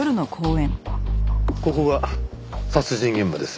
ここが殺人現場です。